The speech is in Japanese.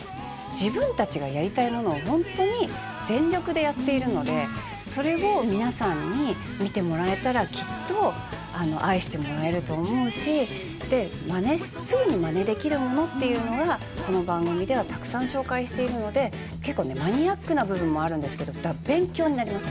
自分たちがやりたいものを本当に全力でやっているのでそれを皆さんに見てもらえたらきっと愛してもらえると思うしですぐにまねできるものっていうのはこの番組ではたくさん紹介しているので結構ねマニアックな部分もあるんですけど勉強になります。